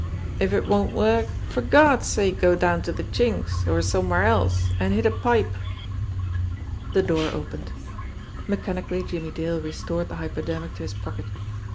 If it won't work, for Gawd's sake go Jown to de Chink's, or somewhere else, and hit a pipe." The door opened. Mechanically Jimmie Dale restored the hypodermic to his pocket.